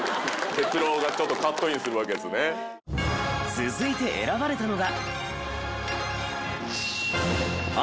続いて選ばれたのが。